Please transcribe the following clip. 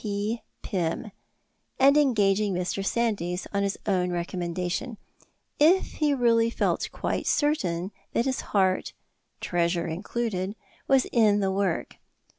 P. Pym," and engaging Mr. Sandys on his own recommendation, "if he really felt quite certain that his heart (treasure included) was in the work."